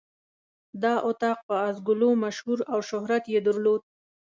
دا اطاق په آس ګلو مشهور او شهرت یې درلود.